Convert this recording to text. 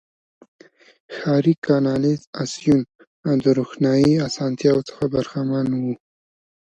ښاري کانالیزاسیون او د روښنايي اسانتیاوو څخه برخمن وو.